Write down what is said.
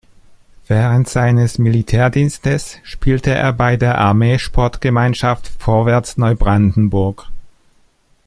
Während seines Militärdienstes spielte er bei der Armeesportgemeinschaft Vorwärts Neubrandenburg.